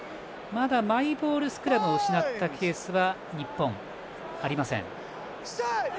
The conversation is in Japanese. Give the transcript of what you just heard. まだマイボールスクラムを失ったケースは日本、ありません。